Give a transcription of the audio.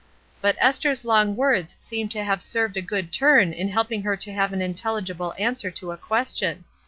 But Esther's long words seem to have served a good turn in helping her to give an intelligible answer to a question.